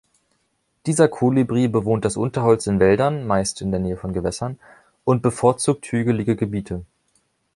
Dieser Kolibri bewohnt das Unterholz in Wäldern (meist in der Nähe von Gewässern) und bevorzugt hügelige Gebiete.